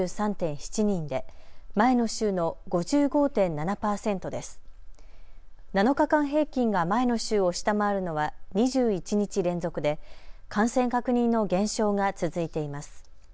７日間平均が前の週を下回るのは２１日連続で感染確認の減少が続いています。